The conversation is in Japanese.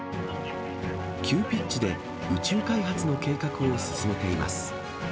急ピッチで宇宙開発の計画を進めています。